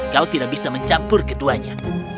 kau tidak bisa mencampur keduanya